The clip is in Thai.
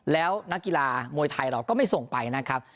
แล้วนักกีฬามวยไทยเราก็ไม่ส่งไปนะครับ